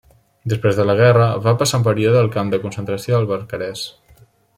Després de la guerra, va passar un període al camp de concentració del Barcarès.